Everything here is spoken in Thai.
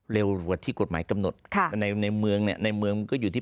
เร็วกว่าที่กฎหมายกำหนดค่ะในในเมืองเนี่ยในเมืองมันก็อยู่ที่